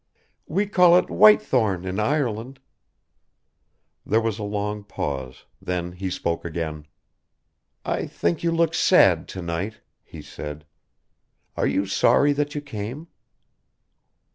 "We call it whitethorn in Ireland." There was a long pause, then he spoke again. "I think you look sad to night," he said. "Are you sorry that you came?"